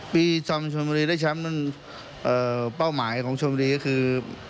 ปีจอมชนบุรีได้แชมป์นั้นเป้าหมายของชนบุรีก็คือ